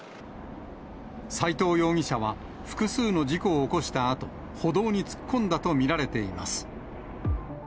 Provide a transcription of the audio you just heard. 斉藤容疑者は、複数の事故を起こしたあと、歩道に突っ込んだと見られています。